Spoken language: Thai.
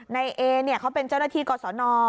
ในเอเขาเป็นเจ้าหน้าที่ก่อสน